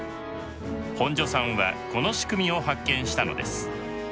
本庶さんはこの仕組みを発見したのです。